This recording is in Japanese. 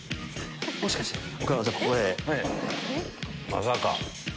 まさか。